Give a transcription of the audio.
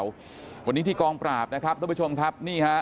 วันนี้ที่กองปราบนะครับท่านผู้ชมครับนี่ฮะ